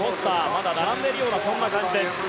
まだ並んでいるような感じです。